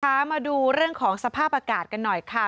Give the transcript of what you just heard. มาดูเรื่องของสภาพอากาศกันหน่อยค่ะ